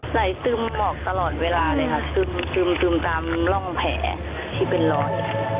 ใส่ซึมออกตลอดเวลาเลยค่ะซึมซึมซึมตามร่องแผลที่เป็นรอย